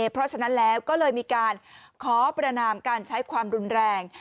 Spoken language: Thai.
เพราะฉะนั้นแล้วก็เลยมีการขอประนามการใช้ความรุนแรง